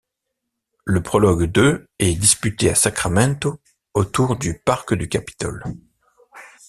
Le prologue de est disputé à Sacramento, autour du parc du Capitole.